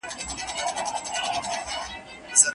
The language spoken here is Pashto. ماته د خپل نقيب د زړه آواز راورسيږي